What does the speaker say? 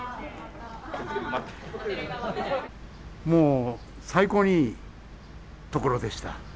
もう最高にいいところでした